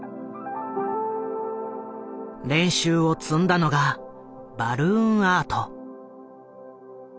練習を積んだのがバルーンアート。